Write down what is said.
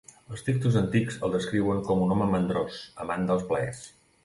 Els textos antics el descriuen com un home mandrós, amant dels plaers.